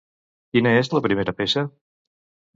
Quina és la primera peça?